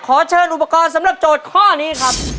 ขอเชิญอุปกรณ์สำหรับโจทย์ข้อนี้ครับ